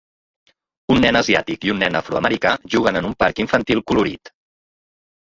Un nen asiàtic i un nen afroamericà juguen en un parc infantil colorit.